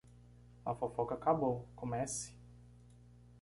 A fofoca acabou, comece!